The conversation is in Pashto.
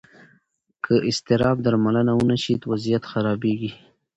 که اضطراب درملنه ونه شي، وضعیت خرابېږي.